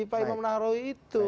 pak imam nahrawi itu